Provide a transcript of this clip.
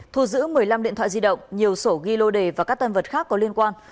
thu giữ một mươi năm điện thoại di động nhiều sổ ghi lô đề và các tân vật khác có liên quan